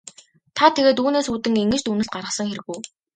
Та тэгээд үүнээс үүдэн ингэж дүгнэлт гаргасан хэрэг үү?